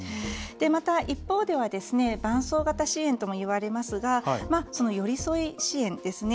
また、一方では伴走型支援ともいわれますが寄り添い支援ですね。